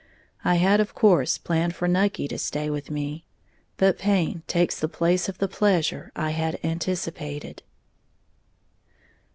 I had of course planned for Nucky to stay with me; but pain takes the place of the pleasure I had anticipated.